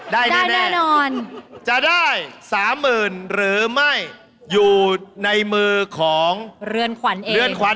ได้แน่จะได้๓๐๐๐๐บาทหรือไม่อยู่ในมือของเรือนขวัญเอง